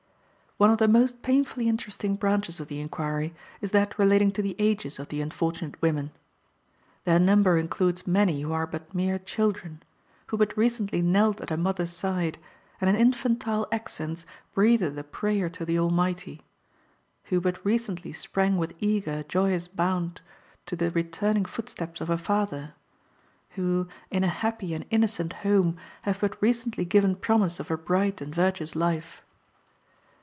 One of the most painfully interesting branches of the inquiry is that relating to the ages of the unfortunate women. Their number includes many who are but mere children; who but recently knelt at a mother's side, and in infantile accents breathed a prayer to the Almighty; who but recently sprang with eager, joyous bound to the returning footsteps of a father; who, in a happy and innocent home, have but recently given promise of a bright and virtuous life.